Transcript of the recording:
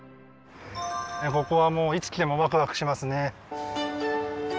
ここはもういつ来てもワクワクしますね。